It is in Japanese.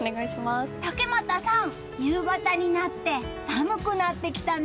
竹俣さん、夕方になって寒くなってきたね。